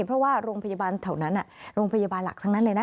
เพราะว่าโรงพยาบาลแถวนั้นโรงพยาบาลหลักทั้งนั้นเลยนะ